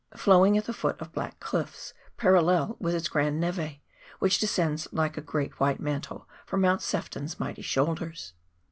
flowing at the foot of black cliffs, parallel with its grand neve, which descends like a great white mantle from Mount Sefton's mighty shoulders.